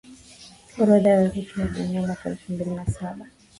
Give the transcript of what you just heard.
orodha ya urithi wa Dunia Mwaka elfumbili na Saba